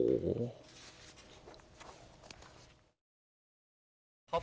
หลักบันทึก